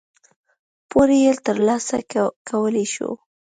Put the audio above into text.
پور یې ترلاسه کولای شو.